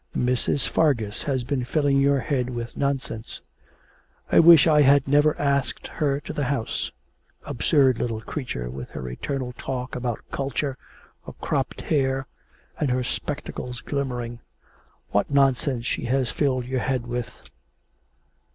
Mrs. Fargus has been filling your head with nonsense. I wish I had never asked her to the house; absurd little creature, with her eternal talk about culture, her cropped hair, and her spectacles glimmering. What nonsense she has filled your head with!'